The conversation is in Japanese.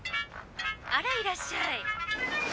あらいらっしゃい。